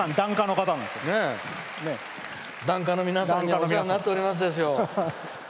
檀家の皆さんにもお世話になっておりますよ。